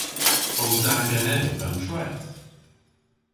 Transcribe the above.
O da genev an treth?